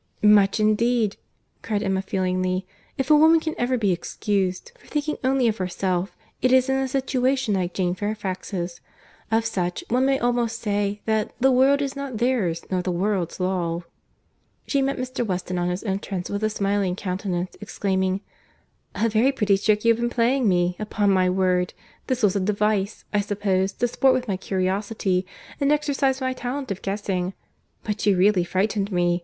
"Much, indeed!" cried Emma feelingly. "If a woman can ever be excused for thinking only of herself, it is in a situation like Jane Fairfax's.—Of such, one may almost say, that 'the world is not their's, nor the world's law.'" She met Mr. Weston on his entrance, with a smiling countenance, exclaiming, "A very pretty trick you have been playing me, upon my word! This was a device, I suppose, to sport with my curiosity, and exercise my talent of guessing. But you really frightened me.